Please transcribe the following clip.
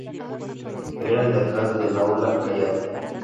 Era el de atrás del aula, callado.